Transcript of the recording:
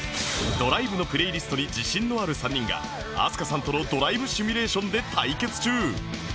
ドライブのプレイリストに自信のある３人が飛鳥さんとのドライブシミュレーションで対決中！